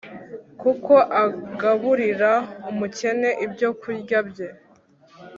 kuko agaburira umukene ibyokurya bye